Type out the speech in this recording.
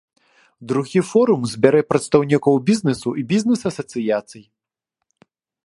Другі форум збярэ прадстаўнікоў бізнесу і бізнес-асацыяцый.